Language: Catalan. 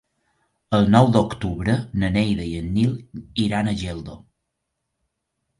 El nou d'octubre na Neida i en Nil iran a Geldo.